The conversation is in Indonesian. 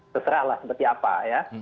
terserahlah seperti apa ya